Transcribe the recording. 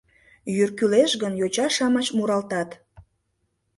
Йӱр кӱлеш гын, йоча-шамыч муралтат: